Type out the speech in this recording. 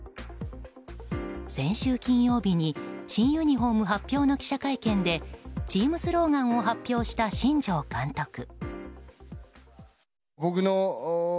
先週金曜日に新ユニホーム発表の記者会見でチームスローガンを発表した新庄監督。